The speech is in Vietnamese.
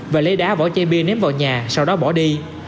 và lấy đá vỏ chai bia ném vào nhà sau đó bỏ đi